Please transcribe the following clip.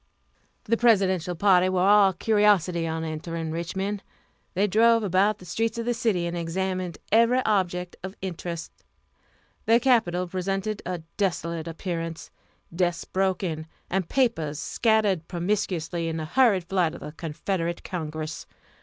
The Presidential party were all curiosity on entering Richmond. They drove about the streets of the city, and examined every object of interest. The Capitol presented a desolate appearance desks broken, and papers scattered promiscuously in the hurried flight of the Confederate Congress.